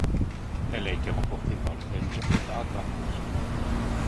Elle a été remportée par le Belge Edward Van Dijck.